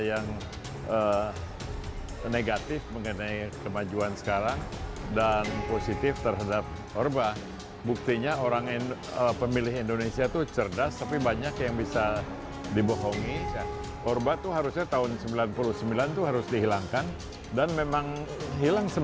untuk melakukan kampanye yang efektif